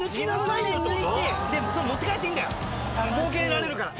儲けられるから。